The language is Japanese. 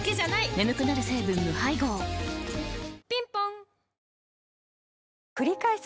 眠くなる成分無配合ぴんぽんくりかえす